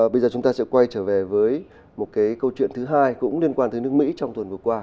bây giờ chúng ta sẽ quay trở về với một cái câu chuyện thứ hai cũng liên quan tới nước mỹ trong tuần vừa qua